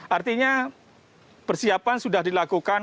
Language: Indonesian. artinya persiapan sudah dilakukan